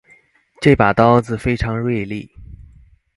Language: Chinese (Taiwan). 這把刀子非常銳利